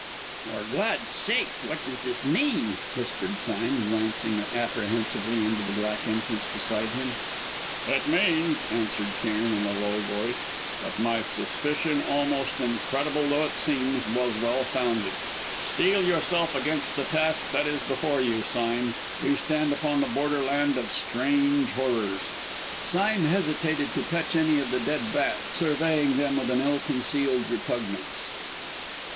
"For God's sake, what does this mean?" whispered Sime, glancing apprehensively into the black entrance beside him. "It means," answered Cairn, in a low voice, "that my suspicion, almost incredible though it seems, was well founded. Steel yourself against the task that is before you, Sime; we stand upon the borderland of strange horrors." Sime hesitated to touch any of the dead bats, surveying them with an ill concealed repugnance.